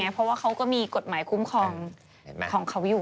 เพราะว่าเขาก็มีกฎหมายคุ้มครองของเขาอยู่